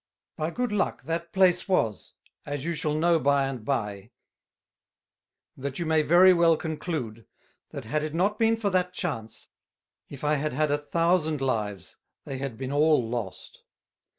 By good luck that place was, as you shall know by and by * that you may very well conclude, that had it not been for that Chance, if I had had a thousand lives, they had been all lost.